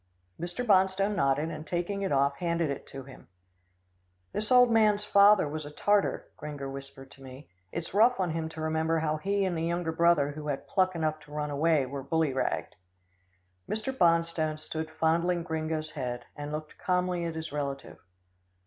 Mr. Bonstone nodded, and taking it off, handed it to him. "This old man's father was a tartar," Gringo whispered to me. "It's rough on him to remember how he and the young brother who had pluck enough to run away were bullyragged." Mr. Bonstone stood fondling Gringo's head, and looking calmly at his relative.